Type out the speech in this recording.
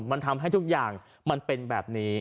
มันทำให้ทุกอย่างมันเป็นแบบนี้